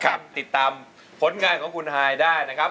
ติดตามผลงานของคุณฮายได้นะครับ